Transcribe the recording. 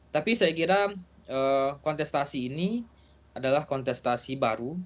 tapi saya kira kontestasi ini adalah kontestasi baru